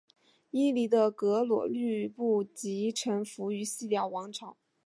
伊犁的葛逻禄部即臣服于西辽王朝。